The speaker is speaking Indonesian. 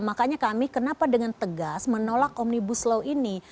makanya kami kenapa dengan tegas menolak omnibus law ini